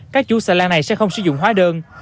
các chủ xã lan này sẽ không sử dụng khóa đơn